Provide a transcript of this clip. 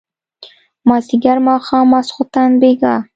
مازيګر ماښام ماسخوتن بېګا